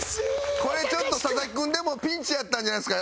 これちょっと佐々木君でもピンチやったんじゃないですか？